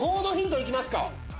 ５のヒントいきますか。